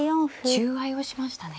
中合いをしましたね。